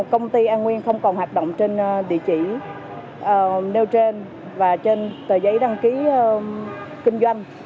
công ty an nguyên không còn hoạt động trên địa chỉ nêu trên và trên tờ giấy đăng ký kinh doanh